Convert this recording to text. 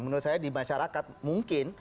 menurut saya di masyarakat mungkin